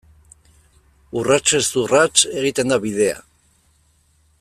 Urratsez urrats egiten da bidea.